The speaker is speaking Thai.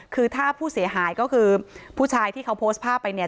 คือถ้าผู้เสียหายก็คือผู้ชายที่เขาโพสต์ภาพไปเนี่ย